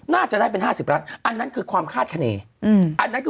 น่าจะได้เป็น๕๐ล้านอันนั้นคือความคาดเกณฑ์